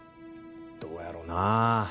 どうやろうなあ。